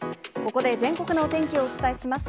ここで全国のお天気をお伝えします。